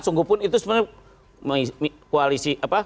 sungguhpun itu sebenarnya komisi satu